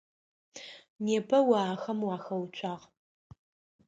Непэ о ахэм уахэуцуагъ.